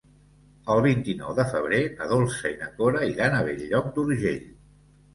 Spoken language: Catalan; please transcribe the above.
El vint-i-nou de febrer na Dolça i na Cora iran a Bell-lloc d'Urgell.